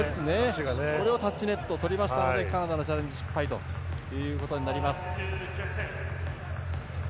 タッチネットをとりましたのでカナダのチャレンジは失敗ということになります。